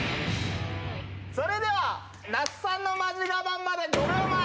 それでは那須さんのマジガマンまで５秒前！